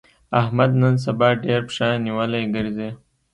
احمد نن سبا ډېر پښه نيولی ګرځي.